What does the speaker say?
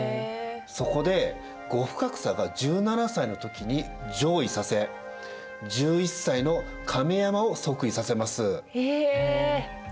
そこで後深草が１７歳の時に譲位させ１１歳の亀山を即位させます。